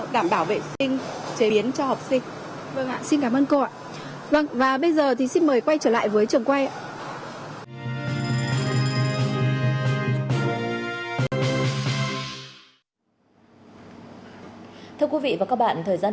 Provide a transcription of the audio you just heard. đảm bảo an toàn